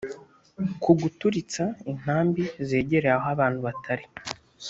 ku guturitsa intambi zegereye aho abantu batari